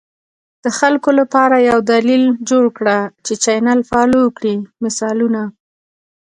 د خلکو لپاره یو دلیل جوړ کړه چې چینل فالو کړي، مثالونه: